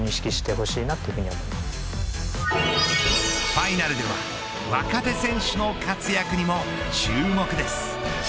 ファイナルでは若手選手の活躍にも注目です。